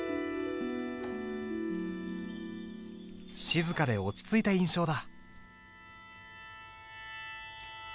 静かで落ち着いた印象だ。